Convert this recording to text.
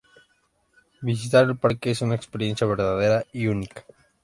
Visitar el parque es una experiencia verdadera y única.